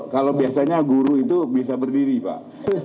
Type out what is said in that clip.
kalau biasanya guru itu bisa berdiri pak